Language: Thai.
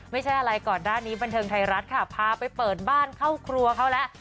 ไม่ใช่อะไรก่อนหน้านี้บันเทิงไทยรัฐค่ะพาไปเปิดบ้านเข้าครัวเขาแล้ว